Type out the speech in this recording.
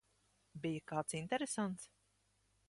Bija kāds interesants?